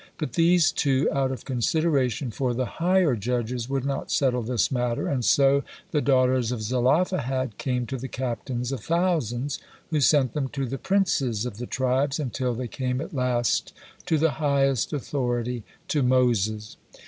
But these too, out of consideration for the higher judges, would not settle this matter, and so the daughters of Zelophehad came to the captains of thousands, who sent them to the princes of the tribes, until they came at last to the highest authority, to Moses.